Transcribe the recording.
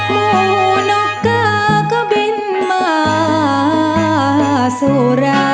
มุนกะกะบิ่นหมาสุรัง